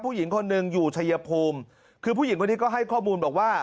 ผู้หญิงคนหนึ่งอยู่ชายภูมิคือผู้หญิงคนนี้ก็ให้ข้อมูลบอกว่า